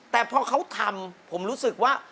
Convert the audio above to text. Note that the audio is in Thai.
แต่พอเขาทำผมรู้สึกว่า